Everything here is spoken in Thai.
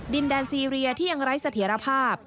ดินแดนซีเรียที่ยังไร้เสถียรภาพ